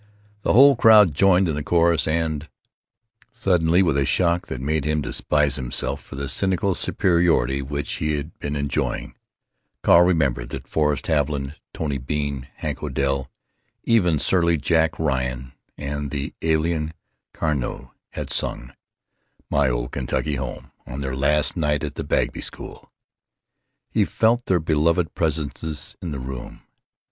The whole crowd joined in the chorus and—— Suddenly, with a shock that made him despise himself for the cynical superiority which he had been enjoying, Carl remembered that Forrest Haviland, Tony Bean, Hank Odell, even surly Jack Ryan and the alien Carmeau, had sung "My Old Kentucky Home" on their last night at the Bagby School. He felt their beloved presences in the room.